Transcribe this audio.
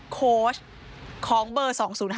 โค้ชของเบอร์๒๐๕